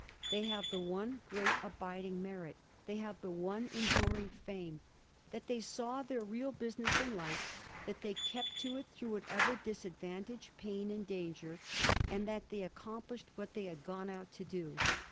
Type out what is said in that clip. They have the one great abiding VOL. II. — 7 146 HISTORY OF THE FOUR G£0R6£S. gh. merit, they have the one enduring fame — that they saw their real business in life; that they kept to it through whatever disadvantage, pain, and danger; and that they accomplished what they had gone out to do.